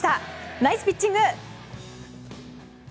ナイスピッチング！